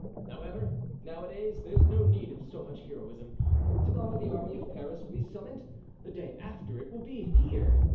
"However, nowadays there's no need of so much heroism. To morrow the army of Paris will be summoned, the day after it will be here!